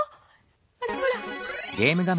ほらほら！